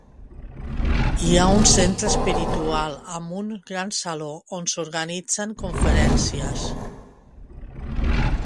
Hi ha un centre espiritual amb un gran saló on s'organitzen conferències.